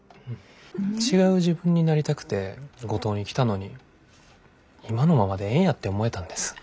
違う自分になりたくて五島に来たのに今のままでええんやって思えたんです。